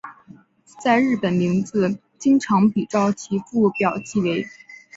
在日本名字经常比照其父表记为。